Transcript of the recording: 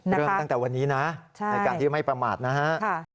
เริ่มตั้งแต่วันนี้นะในการที่ไม่ประมาทนะฮะ